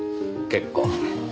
結構。